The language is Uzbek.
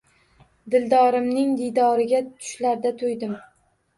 Dildorimning diydoriga tushlarda to’ydim